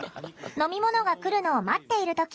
飲み物が来るのを待っている時